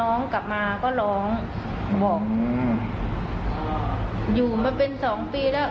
น้องกลับมาก็ร้องบอกอยู่มาเป็นสองปีแล้ว